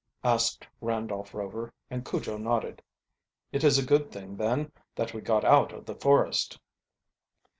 asked Randolph Rover, and Cujo nodded. "It is a good thing, then, that we got out of the forest."